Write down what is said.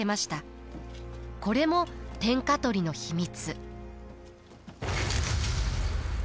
これも天下取りの秘密。